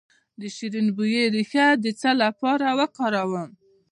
د شیرین بویې ریښه د څه لپاره وکاروم؟